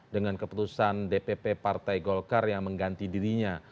dengan keputusan dpp partai golkar yang mengganti dirinya